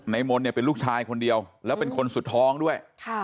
มนต์เนี่ยเป็นลูกชายคนเดียวแล้วเป็นคนสุดท้องด้วย